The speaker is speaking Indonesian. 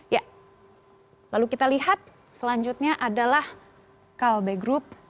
ya lalu kita lihat selanjutnya adalah kalbe group